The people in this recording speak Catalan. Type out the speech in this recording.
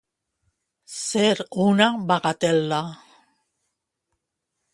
Ser una bagatel·la.